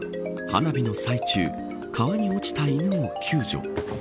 花火の最中川に落ちた犬を救助。